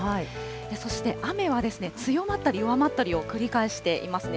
そして雨はですね、強まったり弱まったりを繰り返していますね。